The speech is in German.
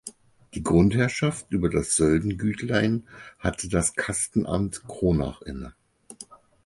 Die Grundherrschaft über das Söldengütlein hatte das Kastenamt Kronach inne.